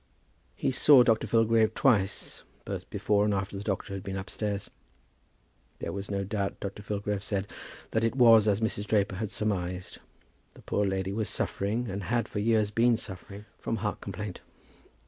He saw Dr. Filgrave twice, both before and after the doctor had been upstairs. There was no doubt, Dr. Filgrave said, that it was as Mrs. Draper had surmised. The poor lady was suffering, and had for years been suffering, from heart complaint.